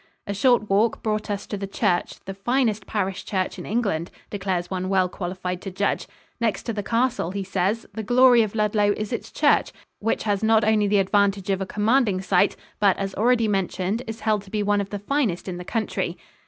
A short walk brought us to the church "the finest parish church in England," declares one well qualified to judge. "Next to the castle," he says, "the glory of Ludlow is its church, which has not only the advantage of a commanding site but, as already mentioned, is held to be one of the finest in the country."